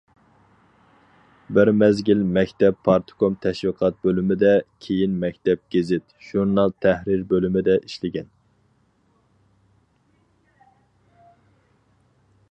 بىر مەزگىل مەكتەپ پارتكوم تەشۋىقات بۆلۈمىدە، كېيىن مەكتەپ گېزىت- ژۇرنال تەھرىر بۆلۈمىدە ئىشلىگەن.